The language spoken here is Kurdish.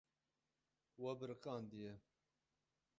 We biriqandiye.